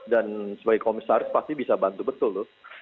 dan sebagai komisaris pasti bisa bantu betul loh